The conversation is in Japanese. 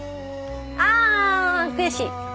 あ悔しい。